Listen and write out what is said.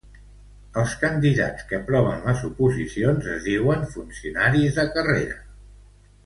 Els candidats que aproven les oposicions es diuen funcionaris de carrera.